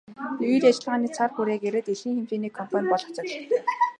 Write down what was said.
Үйл ажиллагааны цар хүрээгээрээ дэлхийн хэмжээний компани болох зорилготой.